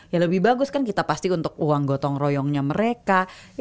ya lebih bagus kan kita pasti untuk uang gotong royongnya mereka